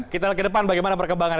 kita lihat ke depan bagaimana perkembangan